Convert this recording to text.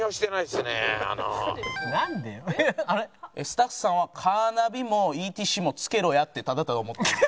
スタッフさんはカーナビもＥＴＣも付けろやってただただ思ってる。